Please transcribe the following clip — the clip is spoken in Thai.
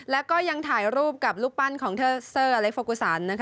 และก็ยังถ่ายรูปกับลูกปั้นของเธอเซอร์อะไรฟกุศาน